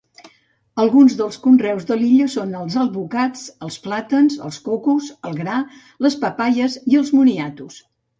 Alguns dels conreus de l'illa són els alvocats, els plàtans, els cocos, el gra, les papaies i els moniatos.